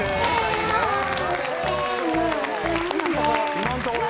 今のところ。